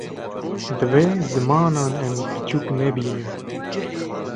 Divê zimanan em piçûk nebînin